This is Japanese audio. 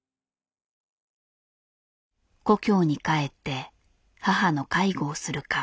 故郷に帰って母の介護をするか。